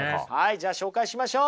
じゃあ紹介しましょう。